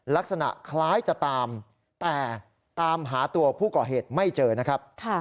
ลักษณะคล้ายจะตามแต่ตามหาตัวผู้ก่อเหตุไม่เจอนะครับ